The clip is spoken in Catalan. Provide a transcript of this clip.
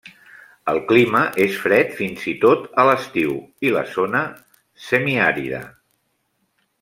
El clima és fred fins i tot a l'estiu i la zona se semi àrida.